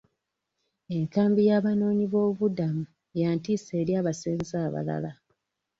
Enkambi y'abanoonyiboobubudamu ya ntiisa eri abasenze abalala.